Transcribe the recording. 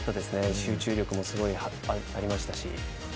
集中力もすごいありましたし。